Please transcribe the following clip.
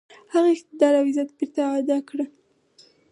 هغه اقتدار او عزت بیرته اعاده کړي.